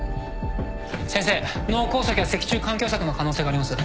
先生脳梗塞や脊柱管狭窄の可能性があります。